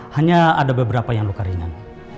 hanya ada beberapa yang luka ringan